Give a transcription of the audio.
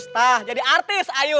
nah jadi artis ayu